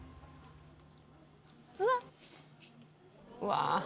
うわっ！